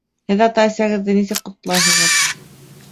Һеҙ ата-әсәгеҙҙе нисек ҡотлайһығыҙ?